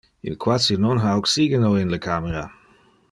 Il quasi non ha oxygeno in le camera.